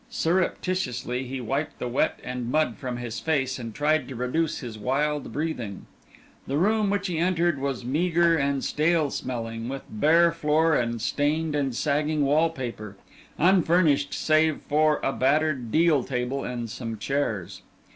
Surreptitiously he wiped the wet and mud from his face and tried to reduce his wild breathing. The room which he entered was meagre and stale smelling, with bare floor and stained and sagging wall paper; unfurnished save for a battered deal table and some chairs.